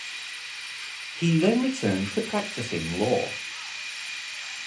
He then returned to practicing law.